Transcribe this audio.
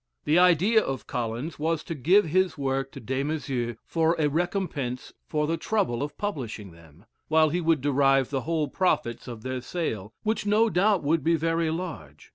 The idea of Collins was to give his work to Des Maizeaux for a recompense for the trouble of publishing them, while he would derive the whole profits of their sale, which no doubt would be very large.